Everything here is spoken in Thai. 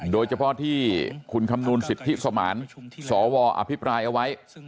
โดยเฉพาะที่คุณคำนวณสิทธิสมานสวอภิปรายเอาไว้